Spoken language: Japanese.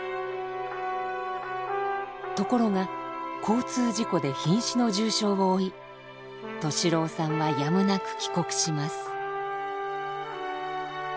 ところが交通事故で瀕死の重傷を負い俊郎さんはやむなく帰国します。